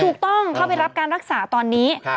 เข้าไปรับการรักษาตอนนี้